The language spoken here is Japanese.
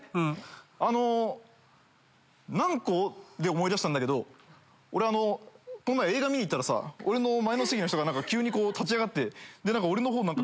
あの何個で思い出したんだけど俺この前映画見に行ったらさ俺の前の席の人が急に立ち上がって俺のほうを何か。